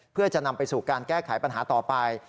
เพื่อจะนำไปสู่การแก้ไขปัญหาต่อไป